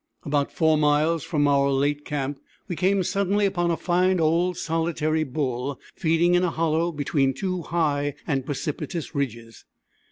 About 4 miles from our late camp we came suddenly upon a fine old solitary bull, feeding in a hollow between two high and precipitous ridges.